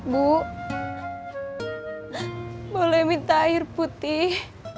bu boleh minta air putih